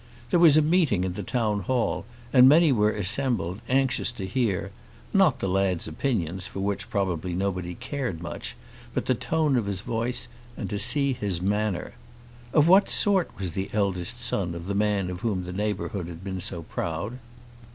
There was a meeting in the town hall and many were assembled anxious to hear, not the lad's opinions, for which probably nobody cared much, but the tone of his voice and to see his manner. Of what sort was the eldest son of the man of whom the neighbourhood had been so proud?